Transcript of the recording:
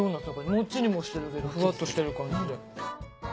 もっちりもしてるけどフワっとしてる感じで。